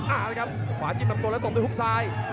อ้าวครับขวาจิบลำโกนแล้วตกด้วยเขาซ้าย